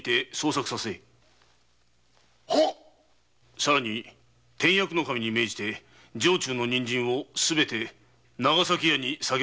更に典薬頭に命じ城中の人参をすべて長崎屋に下げ渡せ。